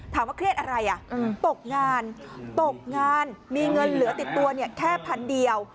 ถามว่าเครียดอะไรตกงานมีเงินเหลือติดตัวแค่พันเดียว